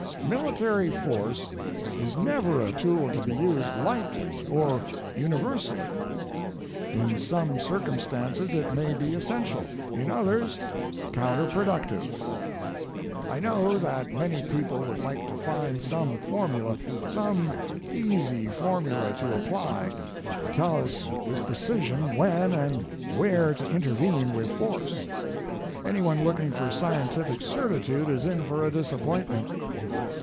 Military force is never a tool to be used lightly or universally. In some circumstances it may be essential, in others counterproductive. I know that many people would like to find some formula, some easy formula to apply, to tell us with precision when and where to intervene with force. Anyone looking for scientific certitude is in for a disappointment.